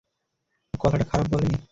ও কথাটা খারাপ বলেনি।